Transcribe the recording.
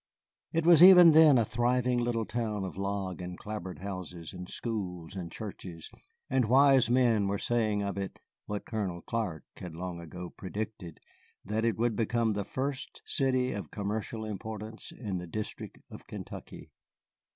It was even then a thriving little town of log and clapboard houses and schools and churches, and wise men were saying of it what Colonel Clark had long ago predicted that it would become the first city of commercial importance in the district of Kentucky.